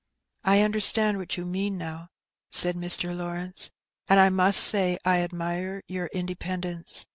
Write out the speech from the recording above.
" I understand what you mean now, said Mr. Lawrence, "and I must say I admire your independence.